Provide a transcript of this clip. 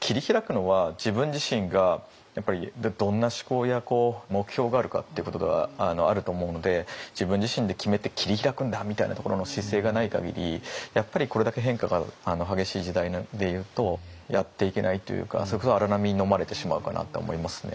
切り開くのは自分自身がやっぱりどんな志向や目標があるかっていうことがあると思うので自分自身で決めて切り開くんだみたいなところの姿勢がない限りこれだけ変化が激しい時代でいうとやっていけないというかそれこそ荒波にのまれてしまうかなとは思いますね。